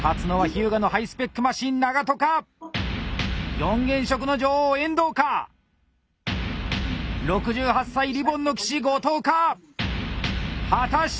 四原色の女王遠藤か⁉６８歳リボンの騎士後藤か⁉果たして。